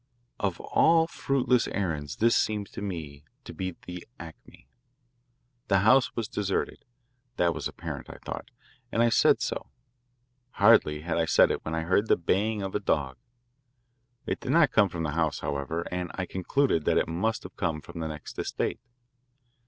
Of all fruitless errands this seemed to me to be the acme. The house was deserted; that was apparent, I thought, and I said so. Hardly had I said it when I heard the baying of a dog. It did not come from the house, however, and I concluded that it must have come from the next estate.